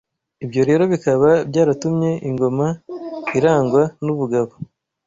Ibyo rero bikaba byaratumye Ingoma irangwa n’ubugabo